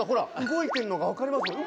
動いてるのが分かりますもん。